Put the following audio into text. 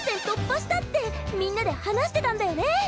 突破したってみんなで話してたんだよね。